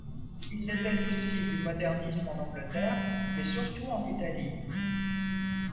Il l'était aussi du modernisme en Angleterre mais surtout en Italie.